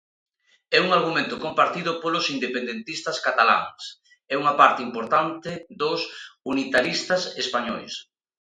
É un argumento compartido polos "independentistas cataláns" e unha parte importante dos "unitaristas españois".